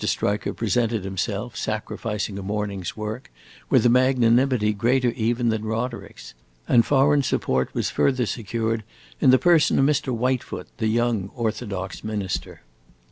Striker presented himself, sacrificing a morning's work, with a magnanimity greater even than Roderick's, and foreign support was further secured in the person of Mr. Whitefoot, the young Orthodox minister.